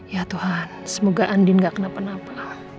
ya tuhan semoga andin gak kena penapa